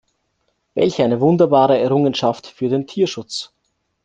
Welch eine wunderbare Errungenschaft für den Tierschutz!